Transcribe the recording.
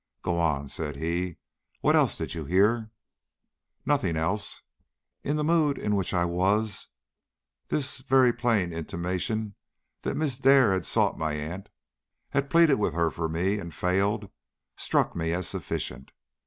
"Go on," said he, "what else did you hear?" "Nothing else. In the mood in which I was this very plain intimation that Miss Dare had sought my aunt, had pleaded with her for me and failed, struck me as sufficient.